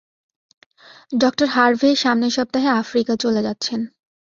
ডঃ হারভে সামনের সপ্তাহে আফ্রিকা চলে যাচ্ছেন।